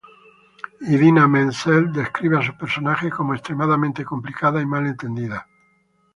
Idina Menzel describe a su personaje como "extremadamente complicada y mal entendida".